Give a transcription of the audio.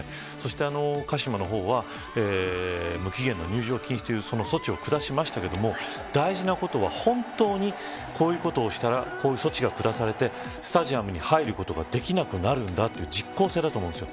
そして鹿島の方は無期限の入場禁止という措置を下しましたが大事なことは、本当にこういうことをしたらこういう措置を下されてスタジアムに入れなくなるんだという実効性なんです。